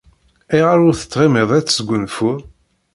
Ayɣer ur tettɣimiḍ ad tesgunfuḍ?